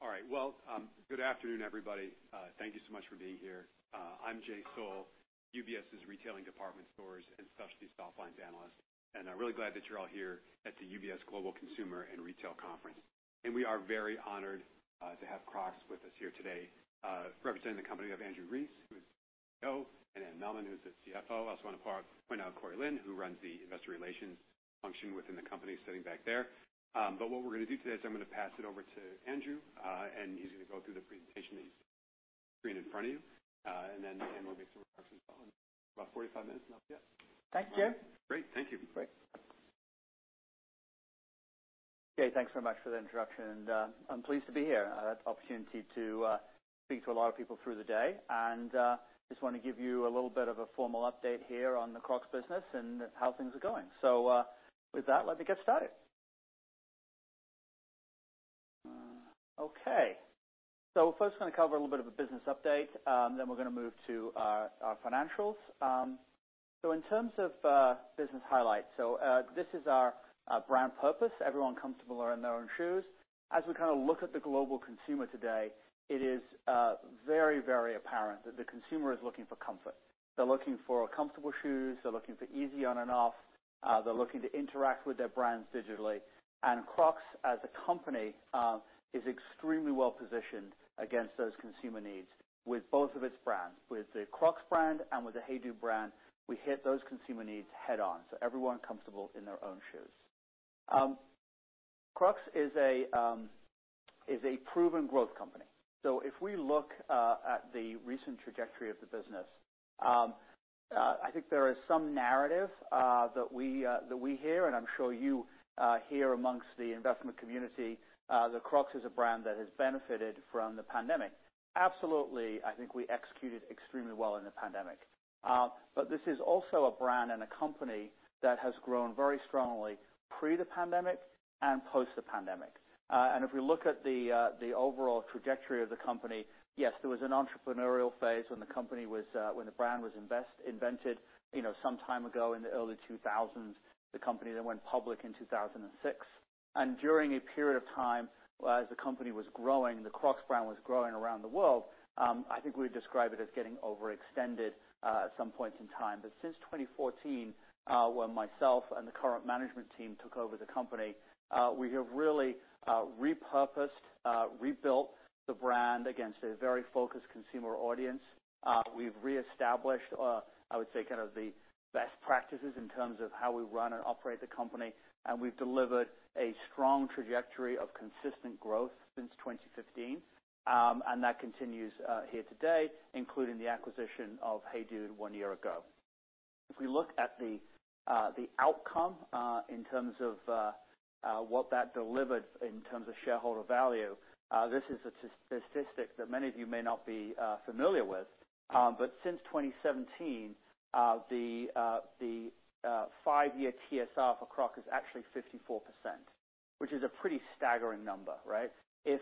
All right. Well, good afternoon, everybody. Thank you so much for being here. I'm Jay Sole, UBS's Retailing Department Stores and Specialty Softlines Analyst, and I'm really glad that you're all here at the UBS Global Consumer and Retail Conference. We are very honored to have Crocs with us here today. Representing the company, we have Andrew Rees, who is CEO, and Anne Mehlman, who's the CFO. I also wanna point out Cori Lin, who runs the investor relations function within the company, sitting back there, but what we're gonna do today is I'm gonna pass it over to Andrew, and he's gonna go through the presentation that you see on the screen in front of you, and then Anne will make some remarks as well in about 45 minutes, and that's it. Thank you. Great. Thank you. Great. Okay, thanks so much for the introduction, and I'm pleased to be here. I have the opportunity to speak to a lot of people through the day, and just wanna give you a little bit of a formal update here on the Crocs business and how things are going. With that, let me get started. Okay. First gonna cover a little bit of a business update, then we're gonna move to our financials. In terms of business highlights, this is our brand purpose, everyone comfortable in their own shoes. As we kinda look at the global consumer today, it is very, very apparent that the consumer is looking for comfort. They're looking for comfortable shoes. They're looking for easy on and off. They're looking to interact with their brands digitally. Crocs, as a company, is extremely well-positioned against those consumer needs with both of its brands. With the Crocs brand and with the HEYDUDE brand, we hit those consumer needs head-on, so everyone comfortable in their own shoes. Crocs is a proven growth company. If we look at the recent trajectory of the business, I think there is some narrative that we hear, and I'm sure you hear amongst the investment community that Crocs is a brand that has benefited from the pandemic. Absolutely, I think we executed extremely well in the pandemic. This is also a brand and a company that has grown very strongly pre the pandemic and post the pandemic. If we look at the overall trajectory of the company, yes, there was an entrepreneurial phase when the company was when the brand was invented, you know, some time ago in the early 2000s, the company then went public in 2006. During a period of time, as the company was growing, the Crocs brand was growing around the world, I think we would describe it as getting overextended at some points in time. Since 2014, when myself and the current management team took over the company, we have really repurposed, rebuilt the brand against a very focused consumer audience. We've reestablished, I would say, kind of the best practices in terms of how we run and operate the company. We've delivered a strong trajectory of consistent growth since 2015. That continues here today, including the acquisition of HEYDUDE one year ago. If we look at the outcome in terms of what that delivered in terms of shareholder value, this is a statistic that many of you may not be familiar with, since 2017, the five-year TSR for Crocs is actually 54%, which is a pretty staggering number, right? If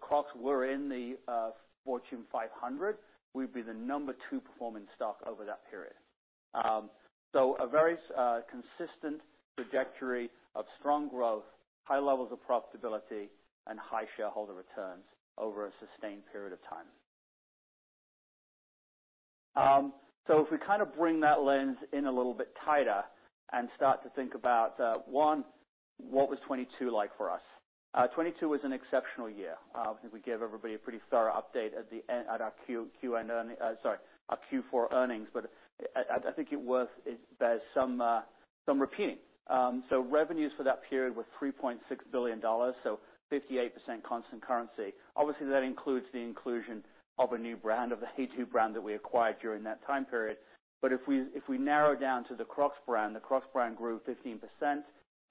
Crocs were in the Fortune 500, we'd be the number two performing stock over that period. A very consistent trajectory of strong growth, high levels of profitability, and high shareholder returns over a sustained period of time. If we kind of bring that lens in a little bit tighter and start to think about, one, what was 2022 like for us? 2022 was an exceptional year. I think we gave everybody a pretty thorough update at our Q4 earnings, but I think it bears some repeating. Revenues for that period were $3.6 billion, 58% constant currency. Obviously, that includes the inclusion of a new brand, of the HEYDUDE brand that we acquired during that time period. If we, if we narrow down to the Crocs brand, the Crocs brand grew 15%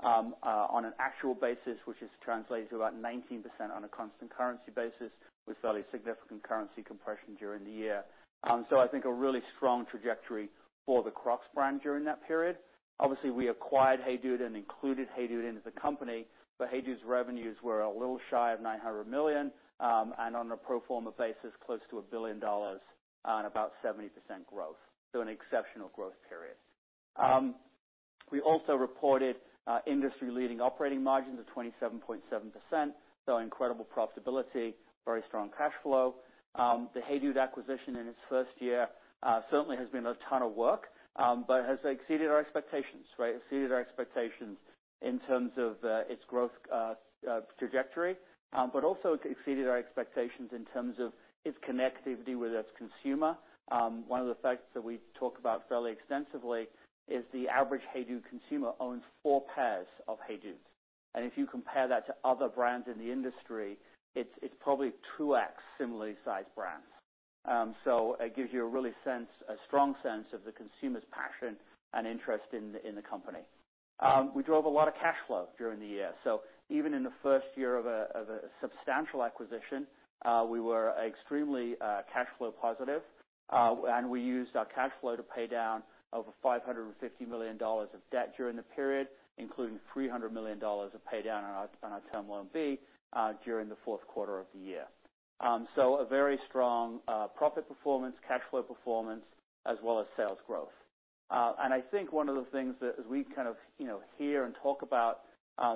on an actual basis, which is translated to about 19% on a constant currency basis with fairly significant currency compression during the year. I think a really strong trajectory for the Crocs brand during that period. Obviously, we acquired HEYDUDE and included HEYDUDE into the company, HEYDUDE's revenues were a little shy of $900 million and on a pro forma basis, close to $1 billion on about 70% growth, so an exceptional growth period. We also reported industry-leading operating margins of 27.7%, so incredible profitability, very strong cash flow. The HEYDUDE acquisition in its first year certainly has been a ton of work, but has exceeded our expectations, right? Exceeded our expectations in terms of, its growth, trajectory, also it exceeded our expectations in terms of its connectivity with its consumer. One of the facts that we talk about fairly extensively is the average HEYDUDE consumer owns four pairs of HEYDUDEs. If you compare that to other brands in the industry, it's probably 2x similarly sized brands. It gives you a strong sense of the consumer's passion and interest in the company. We drove a lot of cash flow during the year. Even in the first year of a substantial acquisition, we were extremely cash flow positive, and we used our cash flow to pay down over $550 million of debt during the period, including $300 million of pay down on our Term Loan B during the fourth quarter of the year. A very strong profit performance, cash flow performance, as well as sales growth. I think one of the things that as we kind of, you know, hear and talk about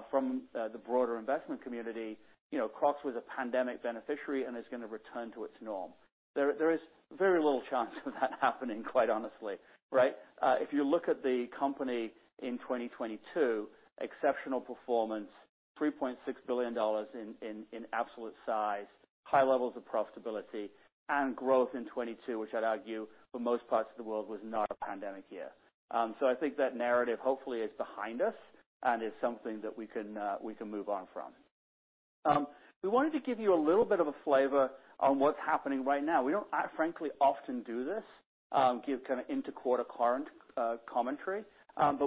from the broader investment community, you know, Crocs was a pandemic beneficiary and is gonna return to its norm. There is very little chance of that happening, quite honestly, right? If you look at the company in 2022, exceptional performance, $3.6 billion in absolute size, high levels of profitability, and growth in 2022, which I'd argue for most parts of the world was not a pandemic year. I think that narrative hopefully is behind us and is something that we can move on from. We wanted to give you a little bit of a flavor on what's happening right now. We don't frankly often do this, give kinda inter-quarter current commentary,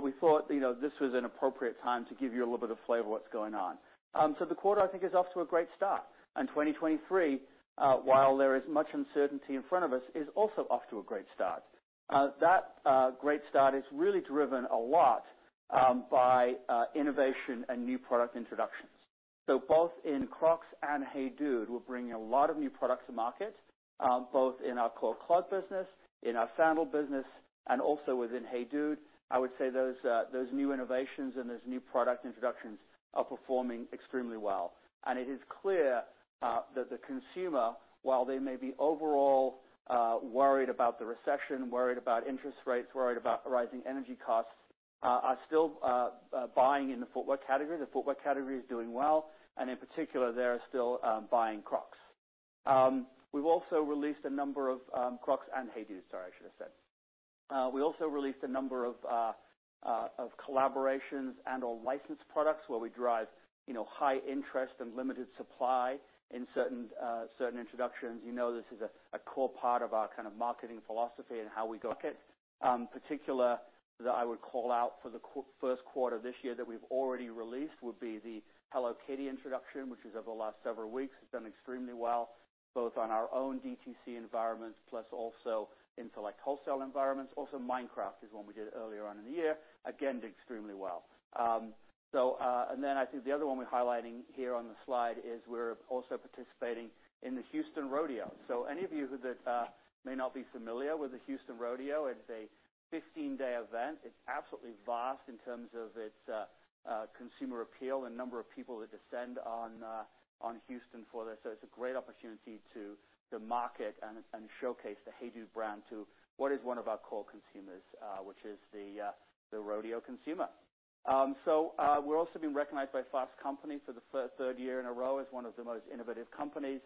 we thought, you know, this was an appropriate time to give you a little bit of flavor of what's going on. The quarter I think is off to a great start. 2023, while there is much uncertainty in front of us, is also off to a great start. That great start is really driven a lot by innovation and new product introductions. Both in Crocs and HEYDUDE, we're bringing a lot of new products to market, both in our core clog business, in our sandal business, and also within HEYDUDE. I would say those new innovations and those new product introductions are performing extremely well. It is clear that the consumer, while they may be overall worried about the recession, worried about interest rates, worried about rising energy costs, are still buying in the footwear category. The footwear category is doing well, and in particular, they are still buying Crocs. We've also released a number of Crocs and HEYDUDE, sorry, I should have said. We also released a number of collaborations and/or licensed products where we drive, you know, high interest and limited supply in certain introductions. You know this is a core part of our kind of marketing philosophy and how we go to market. Particular that I would call out for the first quarter this year that we've already released would be the Hello Kitty introduction, which is over the last several weeks has done extremely well, both on our own DTC environments plus also in select wholesale environments. Minecraft is one we did earlier on in the year, again, did extremely well. Then I think the other one we're highlighting here on the slide is we're also participating in the Houston Rodeo. Any of you who that may not be familiar with the Houston Rodeo, it's a 15-day event. It's absolutely vast in terms of its consumer appeal and number of people that descend on Houston for this. It's a great opportunity to market and showcase the HEYDUDE brand to what is one of our core consumers, which is the rodeo consumer. We're also being recognized by Fast Company for the third year in a row as one of the most innovative companies.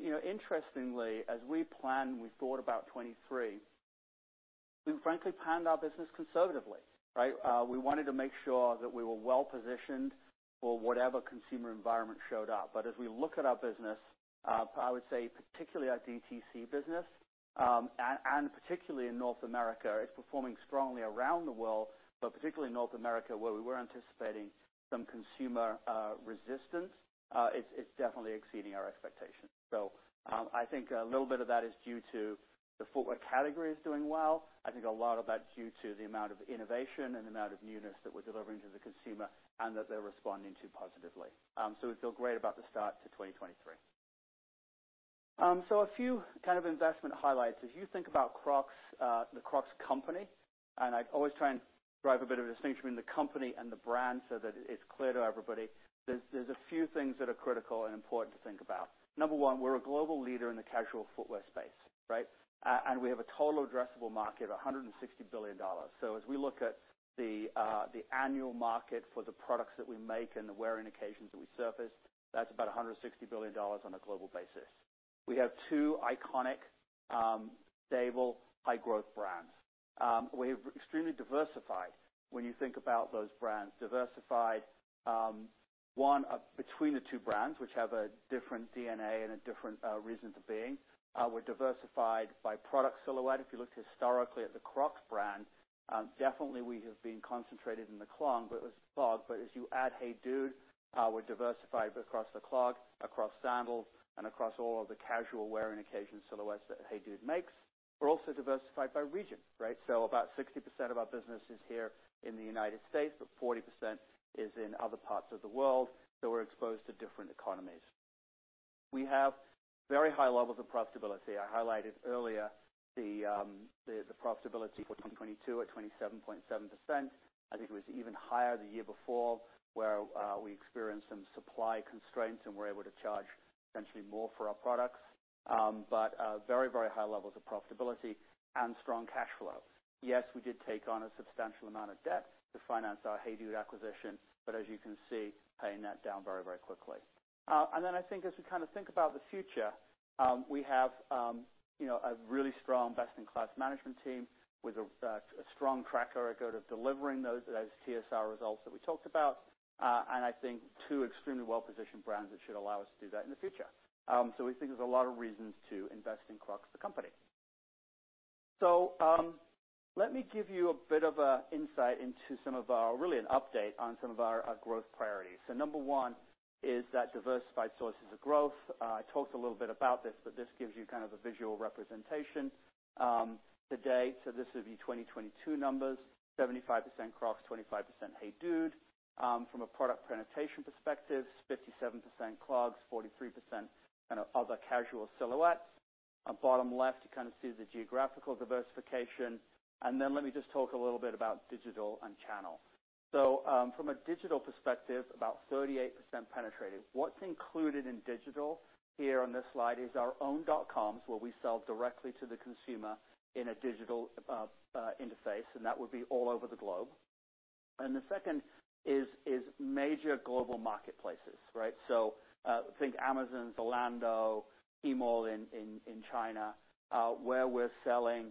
You know, interestingly, as we planned, we thought about 2023, we frankly planned our business conservatively, right? We wanted to make sure that we were well-positioned for whatever consumer environment showed up. As we look at our business, I would say particularly our DTC business, and particularly in North America, it's performing strongly around the world, but particularly in North America, where we were anticipating some consumer resistance, it's definitely exceeding our expectations. I think a little bit of that is due to the footwear category is doing well. I think a lot of that's due to the amount of innovation and amount of newness that we're delivering to the consumer and that they're responding to positively. We feel great about the start to 2023. A few kind of investment highlights. As you think about Crocs, the Crocs company, and I always try and drive a bit of a distinction between the company and the brand so that it's clear to everybody, there's a few things that are critical and important to think about. Number one, we're a global leader in the casual footwear space, right? We have a total addressable market of $160 billion. As we look at the annual market for the products that we make and the wearing occasions that we surface, that's about $160 billion on a global basis. We have two iconic, stable, high-growth brands. We're extremely diversified when you think about those brands. Diversified, one, between the two brands, which have a different DNA and a different reason for being. We're diversified by product silhouette. If you looked historically at the Crocs brand, definitely we have been concentrated in the clog. As you add HEYDUDE, we're diversified across the clog, across sandals, and across all of the casual wearing occasion silhouettes that HEYDUDE makes. We're also diversified by region, right? About 60% of our business is here in the United States, but 40% is in other parts of the world, so we're exposed to different economies. We have very high levels of profitability. I highlighted earlier the profitability for 2022 at 27.7%. I think it was even higher the year before where we experienced some supply constraints and were able to charge potentially more for our products. Very high levels of profitability and strong cash flow. Yes, we did take on a substantial amount of debt to finance our HEYDUDE acquisition, but as you can see, paying that down very, very quickly. Then I think as we kind of think about the future, you know, we have a really strong best-in-class management team with a strong track record of delivering those TSR results that we talked about. I think two extremely well-positioned brands that should allow us to do that in the future. We think there's a lot of reasons to invest in Crocs, the company. Let me give you a bit of a insight into really an update on some of our growth priorities. Number one is that diversified sources of growth. I talked a little bit about this. This gives you kind of a visual representation today. This would be 2022 numbers, 75% Crocs, 25% HEYDUDE. From a product presentation perspective, 57% clogs, 43% kind of other casual silhouettes. On bottom left, you kind of see the geographical diversification. Let me just talk a little bit about digital and channel. From a digital perspective, about 38% penetrated. What's included in digital here on this slide is our own dotcoms, where we sell directly to the consumer in a digital interface. That would be all over the globe. The second is major global marketplaces, right? Think Amazon, Zalando, Tmall in China, where we're selling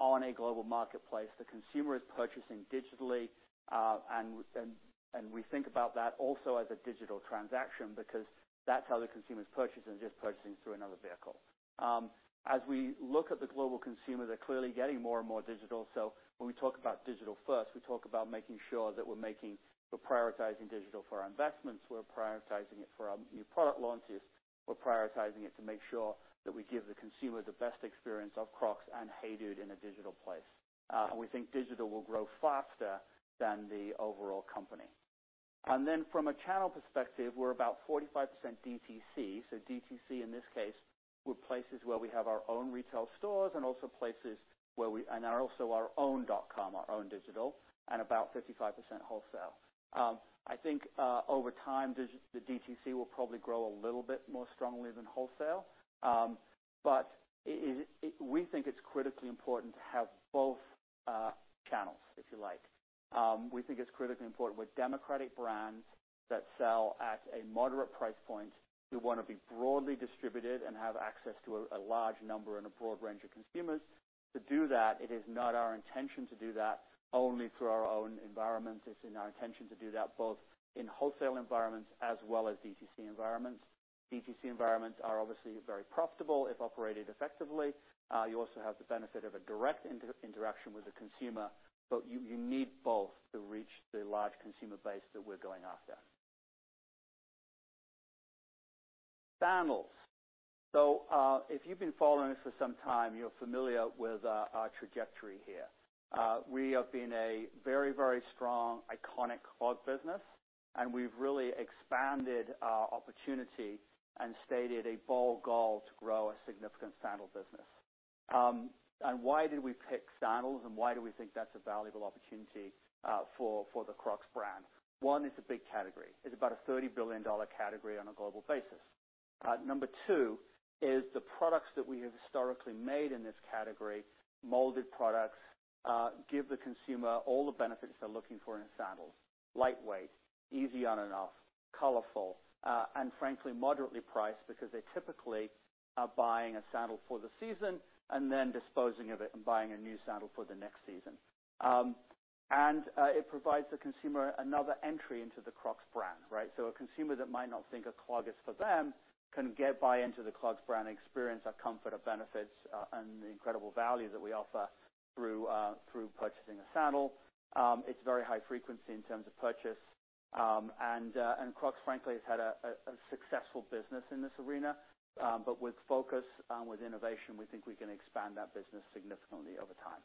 on a global marketplace. The consumer is purchasing digitally, and we think about that also as a digital transaction because that's how the consumer is purchasing, just purchasing through another vehicle. As we look at the global consumer, they're clearly getting more and more digital. When we talk about digital first, we talk about making sure that we're prioritizing digital for our investments, we're prioritizing it for our new product launches, we're prioritizing it to make sure that we give the consumer the best experience of Crocs and HEYDUDE in a digital place. We think digital will grow faster than the overall company. From a channel perspective, we're about 45% DTC. DTC, in this case, were places where we have our own retail stores and also places where we are also our own dotcom, our own digital, and about 55% wholesale. I think over time, the DTC will probably grow a little bit more strongly than wholesale. It is, we think it's critically important to have both channels, if you like. We think it's critically important. We're a democratic brand that sell at a moderate price point. We wanna be broadly distributed and have access to a large number and a broad range of consumers. To do that, it is not our intention to do that only through our own environment. It's in our intention to do that both in wholesale environments as well as DTC environments. DTC environments are obviously very profitable if operated effectively. You also have the benefit of a direct inter-interaction with the consumer, but you need both to reach the large consumer base that we're going after. Sandals, if you've been following us for some time, you're familiar with our trajectory here. We have been a very strong, iconic clog business, and we've really expanded our opportunity and stated a bold goal to grow a significant sandal business. Why did we pick sandals, and why do we think that's a valuable opportunity for the Crocs brand? One, it's a big category. It's about a $30 billion category on a global basis. Number two is the products that we have historically made in this category, molded products, give the consumer all the benefits they're looking for in a sandal: lightweight, easy on and off, colorful, and frankly, moderately priced because they typically are buying a sandal for the season and then disposing of it and buying a new sandal for the next season. It provides the consumer another entry into the Crocs brand, right? A consumer that might not think a clog is for them can get buy into the Crocs brand and experience that comfort, the benefits, and the incredible value that we offer through purchasing a sandal. It's very high frequency in terms of purchase. Crocs, frankly, has had a successful business in this arena. With focus, with innovation, we think we can expand that business significantly over time.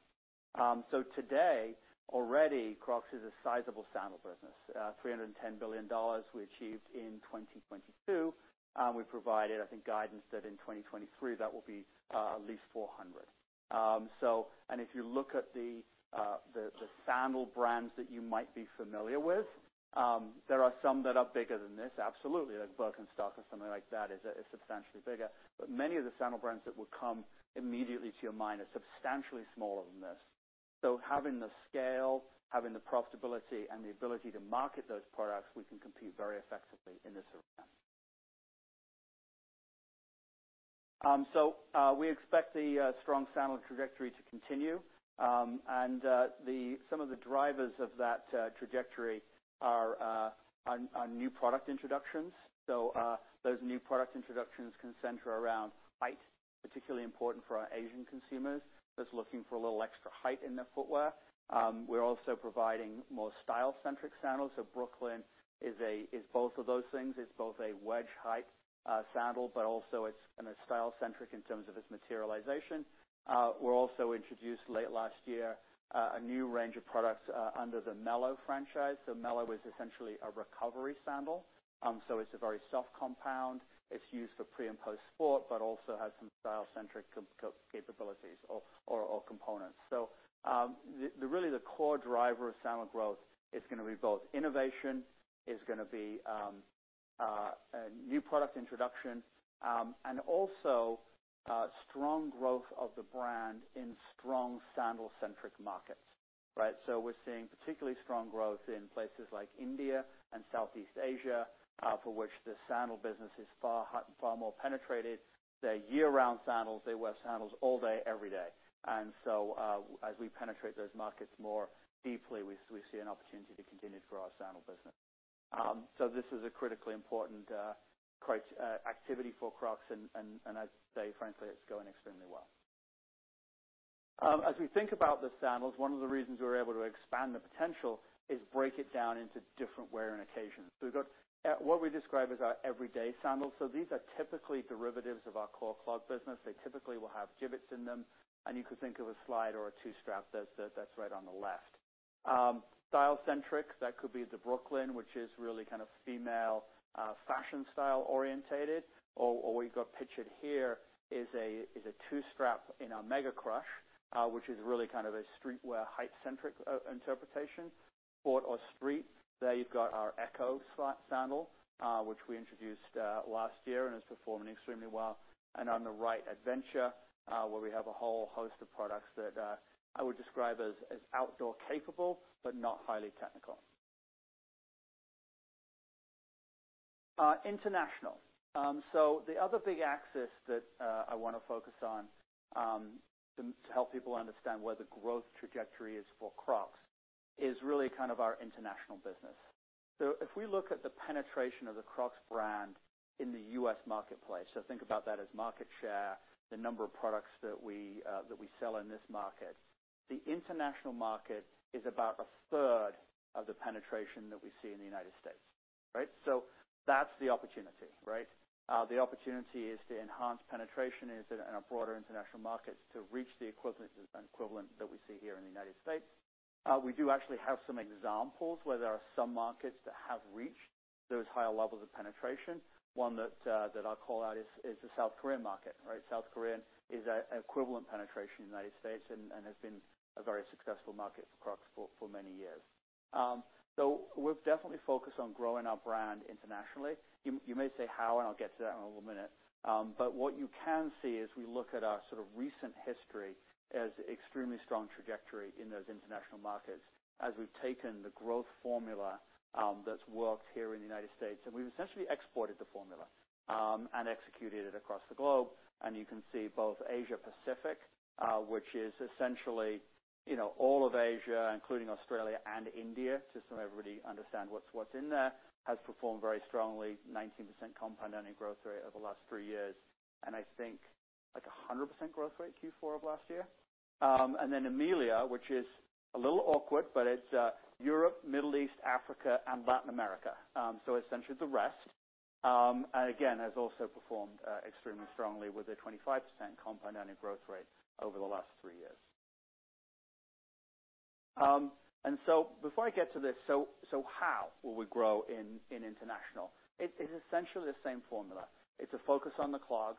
Today, already, Crocs is a sizable sandal business. $310 billion we achieved in 2022. We provided, I think, guidance that in 2023, that will be at least $400 billion. If you look at the, the sandal brands that you might be familiar with, there are some that are bigger than this, absolutely, like Birkenstock or something like that is substantially bigger. Many of the sandal brands that would come immediately to your mind are substantially smaller than this. Having the scale, having the profitability, and the ability to market those products, we can compete very effectively in this arena. We expect the strong sandal trajectory to continue. Some of the drivers of that trajectory are new product introductions. Those new product introductions can center around height, particularly important for our Asian consumers that's looking for a little extra height in their footwear. We're also providing more style-centric sandals. Brooklyn is both of those things. It's both a wedge height, sandal, but also it's kinda style-centric in terms of its materialization. We're also introduced late last year, a new range of products, under the Mellow franchise. Mellow is essentially a recovery sandal. It's a very soft compound. It's used for pre and post-sport, but also has some style-centric capabilities or components. Really the core driver of sandal growth is gonna be both innovation, is gonna be new product introduction and also strong growth of the brand in strong sandal-centric markets, right. We're seeing particularly strong growth in places like India and Southeast Asia, for which the sandal business is far more penetrated. They're year-round sandals. They wear sandals all day, every day. As we penetrate those markets more deeply, we see an opportunity to continue to grow our sandal business. This is a critically important activity for Crocs, and I'd say, frankly, it's going extremely well. As we think about the sandals, one of the reasons we're able to expand the potential is break it down into different wear and occasions. We've got what we describe as our everyday sandals. These are typically derivatives of our core clog business. They typically will have Jibbitz in them. You could think of a slide or a two-strap that's right on the left. Style centric, that could be the Brooklyn, which is really kind of female fashion style orientated. We've got pictured here is a two strap in our Mega Crush, which is really kind of a streetwear height centric interpretation. Sport or street, there you've got our Echo Slap sandal, which we introduced last year and is performing extremely well. On the right, adventure, where we have a whole host of products that I would describe as outdoor capable, but not highly technical. International. The other big axis that I wanna focus on to help people understand where the growth trajectory is for Crocs is really kind of our international business. If we look at the penetration of the Crocs brand in the U.S. marketplace, so think about that as market share, the number of products that we that we sell in this market. The international market is about a third of the penetration that we see in the United States, right? That's the opportunity, right? The opportunity is to enhance penetration into, in our broader international markets to reach the equivalent that we see here in the United States. We do actually have some examples where there are some markets that have reached those higher levels of penetration. One that I'll call out is the South Korean market, right? South Korean is an equivalent penetration in the United States and has been a very successful market for Crocs for many years. We're definitely focused on growing our brand internationally. You may say how, and I'll get to that in a little minute. What you can see as we look at our sort of recent history as extremely strong trajectory in those international markets, as we've taken the growth formula that's worked here in the United States, and we've essentially exported the formula and executed it across the globe. You can see both Asia-Pacific, which is essentially, you know, all of Asia, including Australia and India, just so everybody understand what's in there, has performed very strongly, 19% compound annual growth rate over the last three years. I think like a 100% growth rate Q4 of last year. Then EMEA, which is a little awkward, but it's Europe, Middle East, Africa, and Latin America. Essentially the rest, again, has also performed extremely strongly with a 25% compound annual growth rate over the last three years. Before I get to this, so how will we grow in international? It's essentially the same formula. It's a focus on the clog.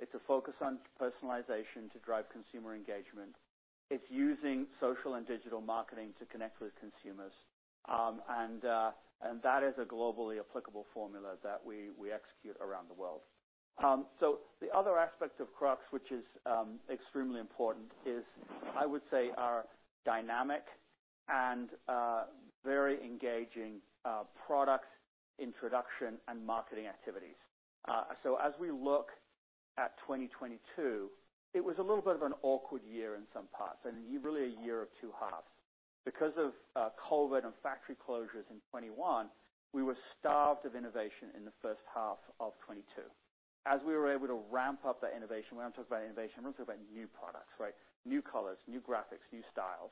It's a focus on personalization to drive consumer engagement. It's using social and digital marketing to connect with consumers. That is a globally applicable formula that we execute around the world. The other aspect of Crocs, which is extremely important is I would say our dynamic and very engaging product introduction and marketing activities. As we look at 2022, it was a little bit of an awkward year in some parts, and really a year of two halves. Because of COVID and factory closures in 2021, we were starved of innovation in the first half of 2022. As we were able to ramp up that innovation, we don't talk about innovation, we're talking about new products, right? New colors, new graphics, new styles,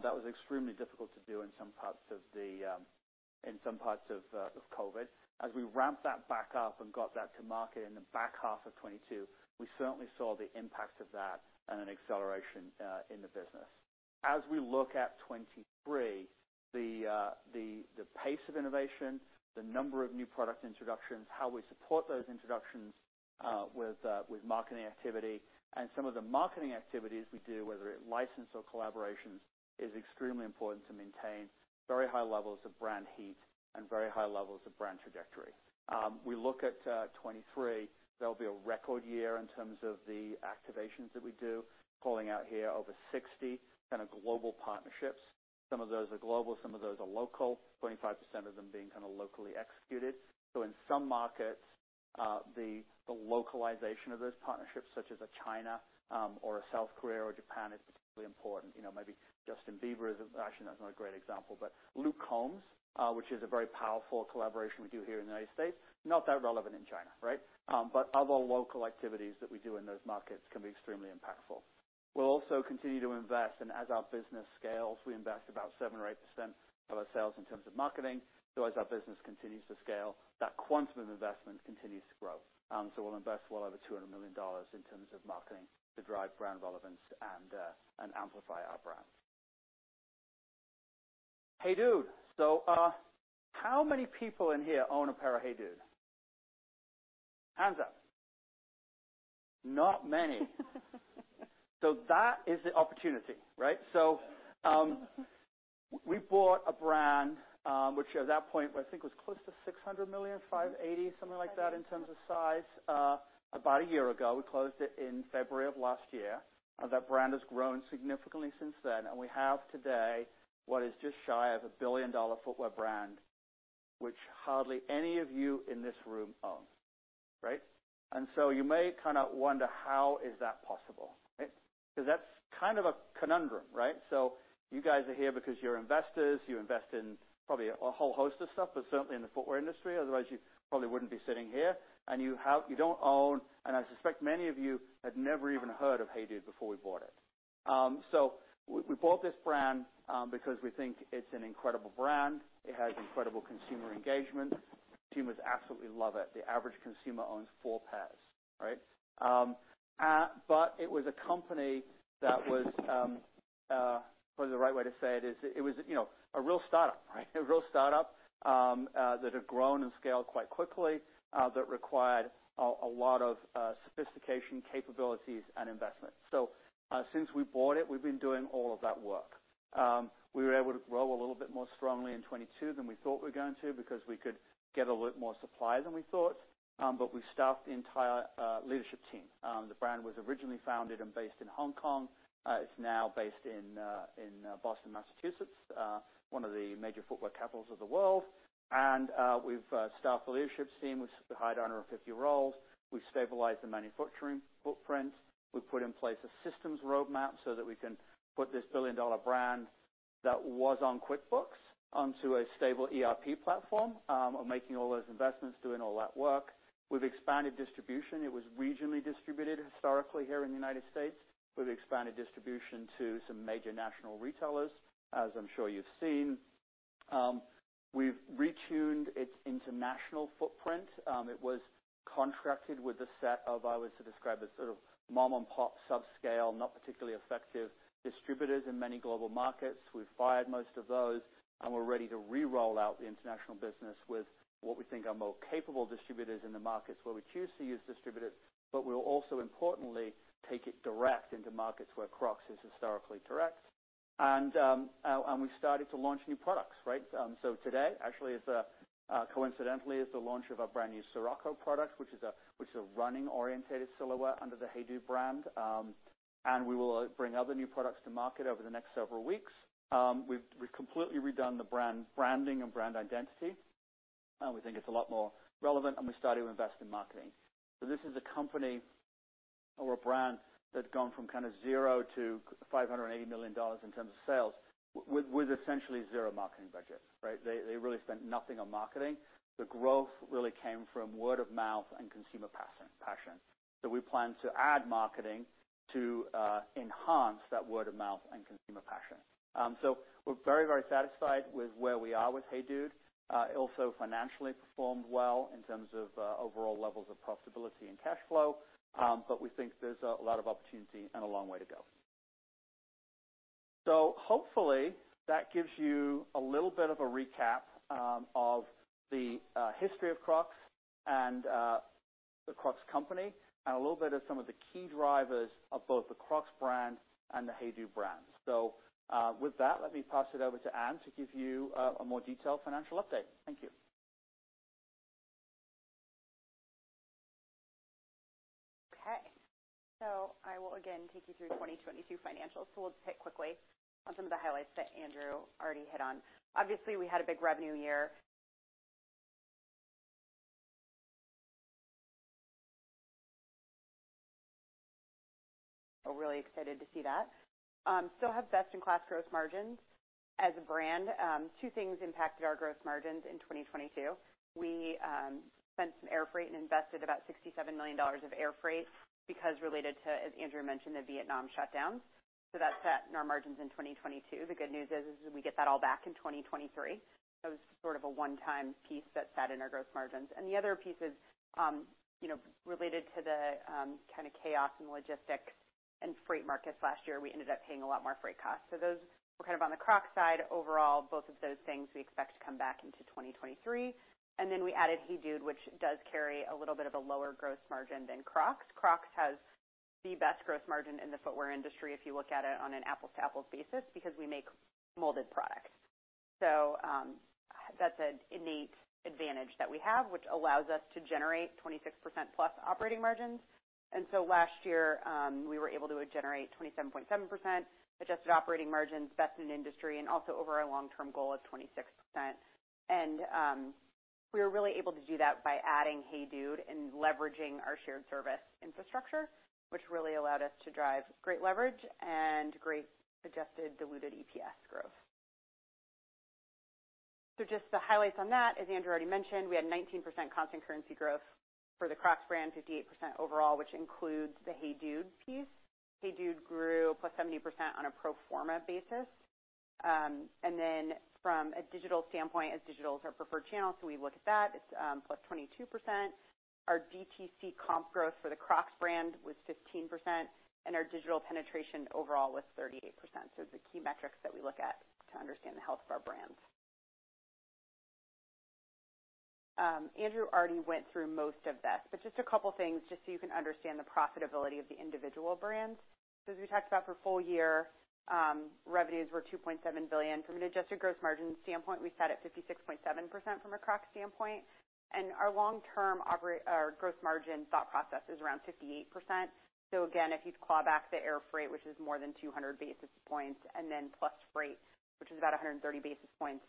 that was extremely difficult to do in some parts of COVID. As we ramped that back up and got that to market in the back half of 2022, we certainly saw the impact of that and an acceleration in the business. As we look at 2023, the pace of innovation, the number of new product introductions, how we support those introductions with marketing activity and some of the marketing activities we do, whether it's license or collaborations, is extremely important to maintain very high levels of brand heat and very high levels of brand trajectory. We look at 2023. That'll be a record year in terms of the activations that we do, calling out here over 60 kind of global partnerships. Some of those are global, some of those are local, 25% of them being kinda locally executed. In some markets, the localization of those partnerships such as a China, or a South Korea, or Japan is particularly important. You know, maybe Justin Bieber is. Actually, that's not a great example. Luke Combs, which is a very powerful collaboration we do here in the United States, not that relevant in China, right? Other local activities that we do in those markets can be extremely impactful. We'll also continue to invest, and as our business scales, we invest about 7% or 8% of our sales in terms of marketing. As our business continues to scale, that quantum of investment continues to grow. We'll invest well over $200 million in terms of marketing to drive brand relevance and amplify our brand. HEYDUDE. How many people in here own a pair of HEYDUDE? Hands up. Not many. That is the opportunity, right? We bought a brand, which at that point I think was close to $600 million, $580, something like that in terms of size, about a year ago. We closed it in February of last year. That brand has grown significantly since then, and we have today what is just shy of a billion-dollar footwear brand, which hardly any of you in this room own, right? You may kinda wonder how is that possible, right? 'Cause that's kind of a conundrum, right? You guys are here because you're investors. You invest in probably a whole host of stuff, but certainly in the footwear industry, otherwise you probably wouldn't be sitting here. You don't own, and I suspect many of you had never even heard of HEYDUDE before we bought it. We bought this brand because we think it's an incredible brand. It has incredible consumer engagement. Consumers absolutely love it. The average consumer owns four pairs, right? It was a company that was, what is the right way to say it is? It was, you know, a real startup, right? A real startup that had grown and scaled quite quickly, that required a lot of sophistication, capabilities, and investment. Since we bought it, we've been doing all of that work. We were able to grow a little bit more strongly in 2022 than we thought we were going to because we could get a lot more supply than we thought. We staffed the entire leadership team. The brand was originally founded and based in Hong Kong. It's now based in Boston, Massachusetts, one of the major footwear capitals of the world. We've staffed the leadership team. We've hired on over 50 roles. We've stabilized the manufacturing footprint. We've put in place a systems roadmap so that we can put this billion-dollar brand that was on QuickBooks onto a stable ERP platform of making all those investments, doing all that work. We've expanded distribution. It was regionally distributed historically here in the United States. We've expanded distribution to some major national retailers, as I'm sure you've seen. We've retuned its international footprint. It was contracted with a set of, I always describe as sort of mom-and-pop subscale, not particularly effective distributors in many global markets. We've fired most of those, and we're ready to re-roll out the international business with what we think are more capable distributors in the markets where we choose to use distributors. We'll also importantly take it direct into markets where Crocs is historically direct. We've started to launch new products, right? Today, actually, it's coincidentally the launch of our brand new Sirocco product, which is a running-orientated silhouette under the HEYDUDE brand. We will bring other new products to market over the next several weeks. We've completely redone the brand branding and brand identity. We think it's a lot more relevant, we started to invest in marketing. This is a company or a brand that's gone from kind of zero to $580 million in terms of sales with essentially zero marketing budget, right? They really spent nothing on marketing. The growth really came from word of mouth and consumer passion. We plan to add marketing to enhance that word of mouth and consumer passion. We're very, very satisfied with where we are with HEYDUDE. It also financially performed well in terms of overall levels of profitability and cash flow. We think there's a lot of opportunity and a long way to go. Hopefully that gives you a little bit of a recap of the history of Crocs and the Crocs company and a little bit of some of the key drivers of both the Crocs brand and the HEYDUDE brand. With that, let me pass it over to Anne to give you a more detailed financial update. Thank you. Okay. I will again take you through 2022 financials. We'll hit quickly on some of the highlights that Andrew already hit on. Obviously, we had a big revenue year. We're really excited to see that. Still have best-in-class gross margins as a brand. Two things impacted our gross margins in 2022. We spent some air freight and invested about $67 million of air freight because related to, as Andrew mentioned, the Vietnam shutdowns. That sat in our margins in 2022. The good news is we get that all back in 2023. That was sort of a one-time piece that sat in our gross margins. The other piece is, you know, related to the kind of chaos in the logistics and freight markets last year. We ended up paying a lot more freight costs. Those were kind of on the Crocs side. Overall, both of those things we expect to come back into 2023. Then we added HEYDUDE, which does carry a little bit of a lower gross margin than Crocs. Crocs has the best gross margin in the footwear industry, if you look at it on an apple-to-apples basis, because we make molded products. That's an innate advantage that we have, which allows us to generate 26% plus operating margins. Last year, we were able to generate 27.7% adjusted operating margins, best in industry, and also over our long-term goal of 26%. We were really able to do that by adding HEYDUDE and leveraging our shared service infrastructure, which really allowed us to drive great leverage and great adjusted diluted EPS growth. Just the highlights on that, as Andrew already mentioned, we had 19% constant currency growth for the Crocs brand, 58% overall, which includes the HEYDUDE piece. HEYDUDE grew +70% on a pro forma basis. From a digital standpoint, as digital is our preferred channel, we look at that, it's +22%. Our DTC comp growth for the Crocs brand was 15%, and our digital penetration overall was 38%. The key metrics that we look at to understand the health of our brands. Andrew already went through most of this, but just a couple things just so you can understand the profitability of the individual brands. As we talked about for full year, revenues were $2.7 billion. From an adjusted gross margin standpoint, we sat at 56.7% from a Crocs standpoint. Our long-term gross margin thought process is around 58%. Again, if you claw back the air freight, which is more than 200 basis points, and then plus freight, which is about 130 basis points,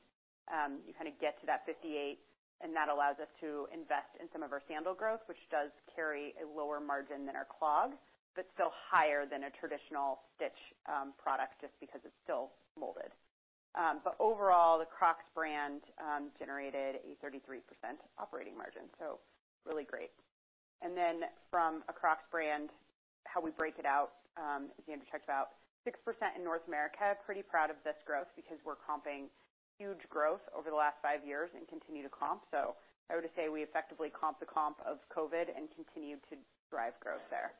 you kinda get to that 58, and that allows us to invest in some of our sandal growth, which does carry a lower margin than our clogs, but still higher than a traditional stitch product just because it's still molded. Overall, the Crocs brand generated a 33% operating margin, so really great. From a Crocs brand, how we break it out, as Andrew talked about, 6% in North America. Pretty proud of this growth because we're comping huge growth over the last 5 years and continue to comp. I would just say we effectively comp the comp of COVID and continued to drive growth there.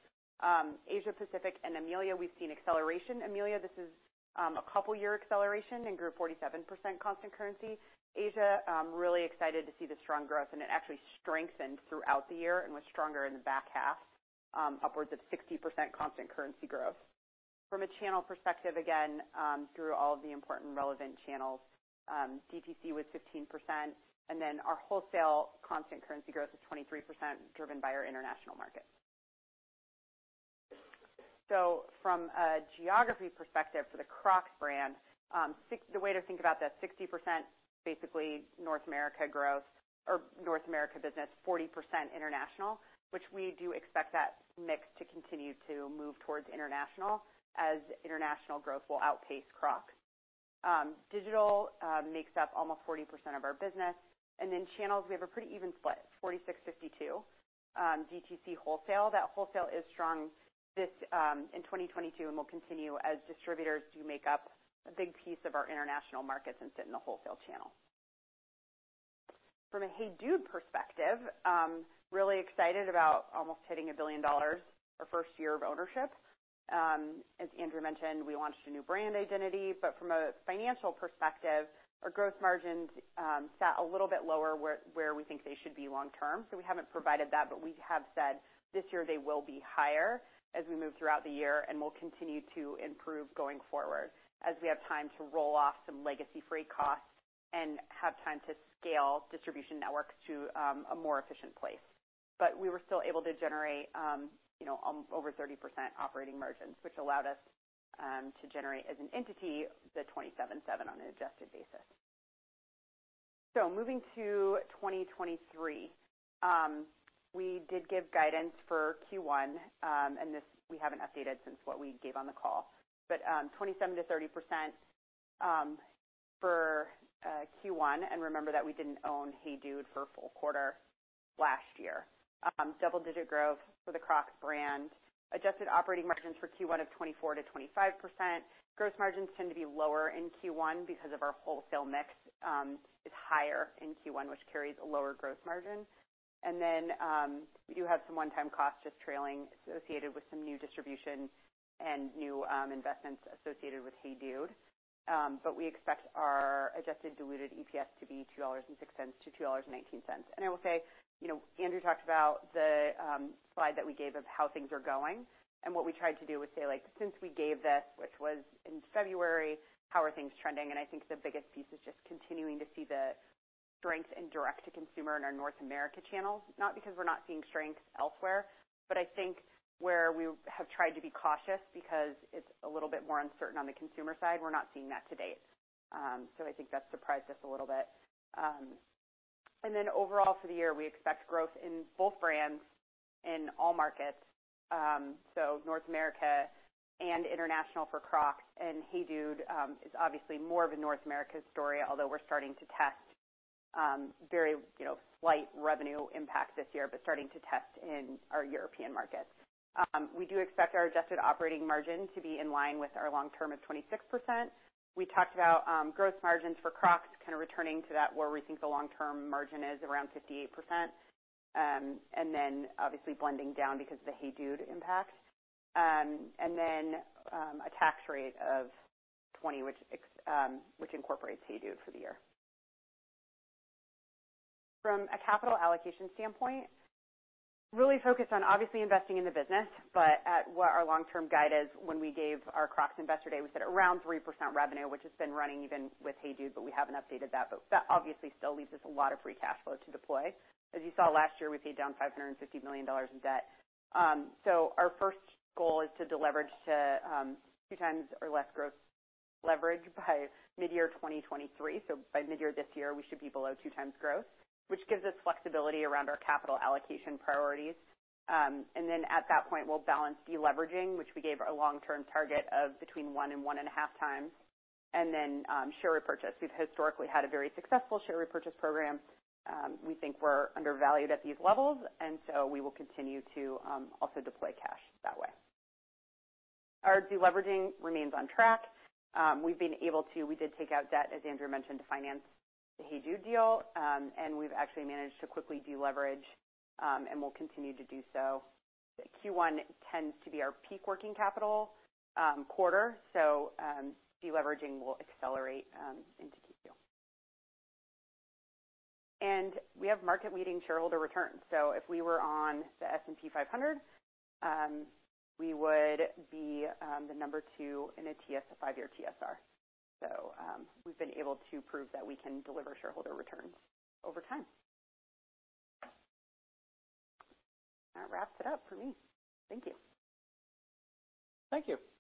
Asia Pacific and EMEA, we've seen acceleration. EMEA, this is a couple-year acceleration and grew 47% constant currency. Asia, really excited to see the strong growth, and it actually strengthened throughout the year and was stronger in the back half, upwards of 60% constant currency growth. From a channel perspective, again, through all of the important relevant channels, DTC was 15%, and then our wholesale constant currency growth was 23%, driven by our international markets. From a geography perspective for the Crocs brand, 60% basically North America growth or North America business, 40% international, which we do expect that mix to continue to move towards international as international growth will outpace Crocs. Digital makes up almost 40% of our business. Channels, we have a pretty even split, 46-52, DTC wholesale. That wholesale is strong this in 2022 and will continue as distributors do make up a big piece of our international markets and sit in the wholesale channel. From a HEYDUDE perspective, really excited about almost hitting $1 billion our first year of ownership. As Andrew mentioned, we launched a new brand identity, but from a financial perspective, our growth margins sat a little bit lower where we think they should be long term. We haven't provided that, but we have said this year they will be higher as we move throughout the year and will continue to improve going forward as we have time to roll off some legacy free costs and have time to scale distribution networks to a more efficient place. We were still able to generate, you know, over 30% operating margins, which allowed us to generate, as an entity, the $27.7 on an adjusted basis. Moving to 2023. We did give guidance for Q1, and this we haven't updated since what we gave on the call. 27%-30% for Q1. Remember that we didn't own HEYDUDE for a full quarter last year. Double-digit growth for the Crocs brand. Adjusted operating margins for Q1 of 24%-25%. Gross margins tend to be lower in Q1 because of our wholesale mix is higher in Q1, which carries a lower gross margin. We do have some one-time costs just trailing associated with some new distribution and new investments associated with HEYDUDE. We expect our adjusted diluted EPS to be $2.06-$2.19. I will say, you know, Andrew talked about the slide that we gave of how things are going. What we tried to do was say, like, since we gave this, which was in February, how are things trending? I think the biggest piece is just continuing to see the strength in direct to consumer in our North America channels, not because we're not seeing strength elsewhere, but I think where we have tried to be cautious because it's a little bit more uncertain on the consumer side, we're not seeing that to date. I think that surprised us a little bit. Overall for the year, we expect growth in both brands in all markets, so North America and international for Crocs. HEYDUDE is obviously more of a North America story, although we're starting to test, very, you know, slight revenue impact this year, but starting to test in our European markets. We do expect our adjusted operating margin to be in line with our long term of 26%. We talked about growth margins for Crocs kind of returning to that, where we think the long-term margin is around 58%. Obviously blending down because of the HEYDUDE impact. A tax rate of 20, which incorporates HEYDUDE for the year. From a capital allocation standpoint, really focused on obviously investing in the business, but at what our long-term guide is, when we gave our Crocs Investor Day, we said around 3% revenue, which has been running even with HEYDUDE, but we haven't updated that. That obviously still leaves us a lot of free cash flow to deploy. As you saw last year, we paid down $550 million in debt. Our first goal is to deleverage to 2x or less gross leverage by midyear 2023. By midyear this year, we should be below 2x gross, which gives us flexibility around our capital allocation priorities. At that point, we'll balance deleveraging, which we gave a long-term target of between 1x and 1.5x. Share repurchase. We've historically had a very successful share repurchase program. We think we're undervalued at these levels. We will continue to also deploy cash that way. Our deleveraging remains on track. We did take out debt, as Andrew mentioned, to finance the HEYDUDE deal. We've actually managed to quickly deleverage and will continue to do so. Q1 tends to be our peak working capital quarter, so deleveraging will accelerate into Q2. We have market-leading shareholder returns. If we were on the S&P 500, we would be the number two in a five-year TSR. We've been able to prove that we can deliver shareholder returns over time. That wraps it up for me. Thank you. Thank you.